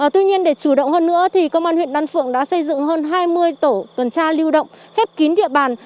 tuy nhiên để chủ động hơn nữa công an huyện đan phượng đã xây dựng hơn hai mươi tổ tuần tra lưu động khép kín địa bàn